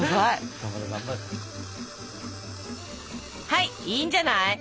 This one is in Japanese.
はいいいんじゃない。